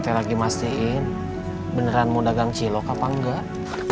saya lagi mastein beneran mau dagang cilok apa enggak